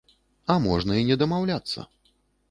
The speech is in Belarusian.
А можна і не дамаўляцца.